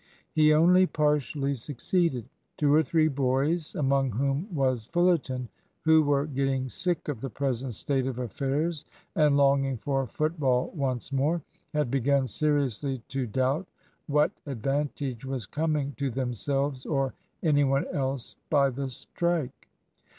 He only partially succeeded. Two or three boys, among whom was Fullerton, who were getting sick of the present state of affairs and longing for football once more, had begun seriously to doubt what advantage was coming to themselves or any one else by the strike.